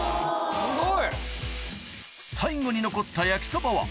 すごい。